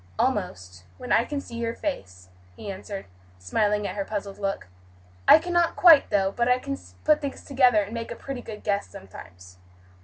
"Almost, when I can see your face," he answered, smiling at her puzzled look. "I cannot quite, though; but I can put things together and make a pretty good guess, sometimes."